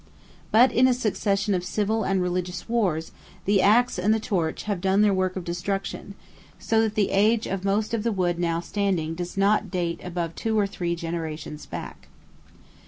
But in a succession of civil and religious wars, the axe and the torch have done their work of destruction, so that the age of most of the wood now standing does not date above two or three generations back.